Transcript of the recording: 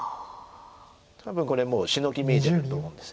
多分これもうシノギ見えてると思うんです。